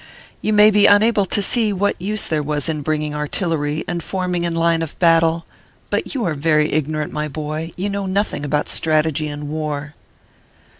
You may be unable to see what use there was in bringing artillery and forming in line of battle ; but you are very ignorant, my boy ; you know nothing about strategy and war.